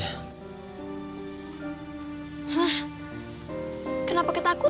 hah kenapa ketakutan